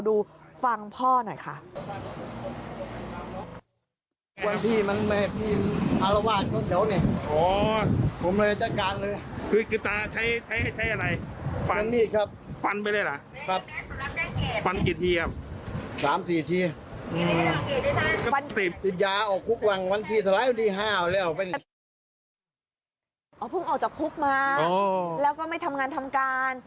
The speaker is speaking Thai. พึ่งออกจากภูมิมาแล้วก็ไม่ทำงานทำการ